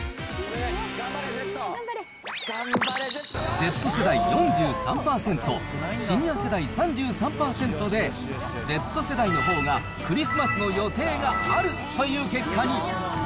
Ｚ世代４３％、シニア世代３３％で、Ｚ世代のほうがクリスマスの予定があるという結果に。